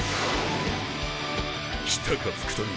来たか福富。